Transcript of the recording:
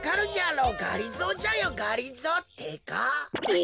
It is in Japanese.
え！